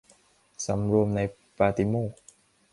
สำรวมในปาฏิโมกข์